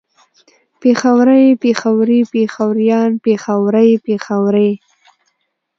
پېښوری پېښوري پېښوريان پېښورۍ پېښورې